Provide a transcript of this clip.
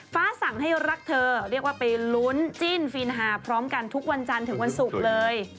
สั่งให้รักเธอเรียกว่าไปลุ้นจิ้นฟินฮาพร้อมกันทุกวันจันทร์ถึงวันศุกร์เลย